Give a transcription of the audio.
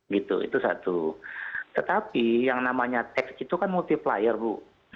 gitu itu satu tetapi yang namanya teks itu kan multiplier bu